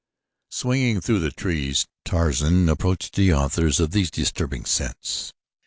Swinging through the trees Tarzan approached the authors of these disturbing scents.